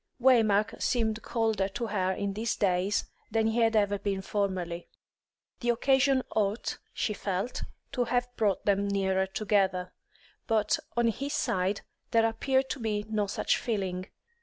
Waymark seemed colder to her in these days than he had ever been formerly. The occasion ought, she felt, to have brought them nearer together; but on his side there appeared to be no such feeling.